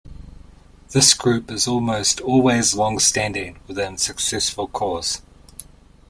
This group is almost always long-standing within successful corps.